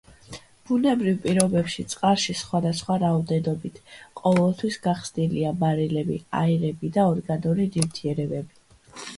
ბუნებრივ პირობებში წყალში სხვადასხვა რაოდენობით ყოველთვის გახსნილია მარილები, აირები და ორგანული ნივთიერებები.